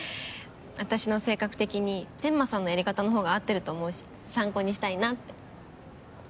私の性格的に天間さんのやり方のほうが合ってると思うし参考にしたいなって。